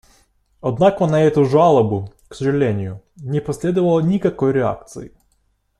Однако на эту жалобу, к сожалению, не последовало никакой реакции.